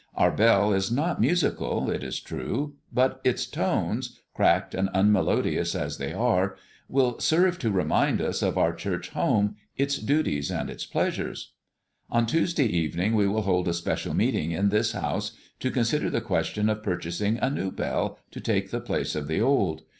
Our bell is not musical, it is true, but its tones, cracked and unmelodious as they are, will serve to remind us of our church home, its duties and its pleasures. On Tuesday evening we will hold a special meeting in this house to consider the question of purchasing a new bell, to take the place of the old.